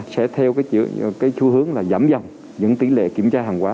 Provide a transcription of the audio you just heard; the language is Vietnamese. sẽ theo cái chữ cái chú hướng là giảm dòng những tỷ lệ kiểm tra hàng quả